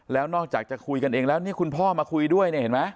แล้วนอกจากจะคุยกันเองแล้วนี่คุณพ่อมาคุยด้วยเนี่ยเห็นไหม